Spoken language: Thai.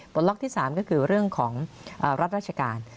ล็อกที่๓ก็คือเรื่องของรัฐราชการ